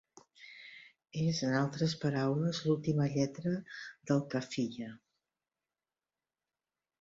És, en altres paraules, l'última lletra del qaafiyaa.